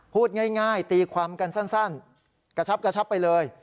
พูดง่ายตีความกันสั้นกระชับกระชับไปเลย